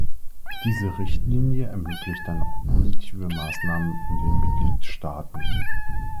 Diese Richtlinie ermöglicht dann auch positive Maßnahmen in den Mitgliedstaaten.